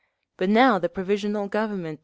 But now the Provisional Government….